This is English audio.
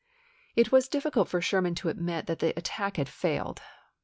It was difficult for Sherman to admit that the Rep0rt attack had failed.